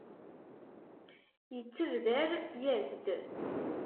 Yettebder, yas-d.